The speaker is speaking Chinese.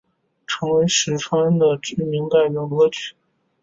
成为实川的知名代表歌曲。